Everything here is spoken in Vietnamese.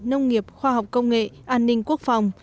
nông nghiệp khoa học công nghệ an ninh quốc phòng